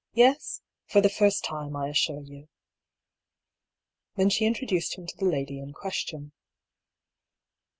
Yes? For the first time, I as sure you ?" Then she introduced him to the lady in question.